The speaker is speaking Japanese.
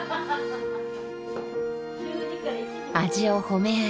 味を褒め合い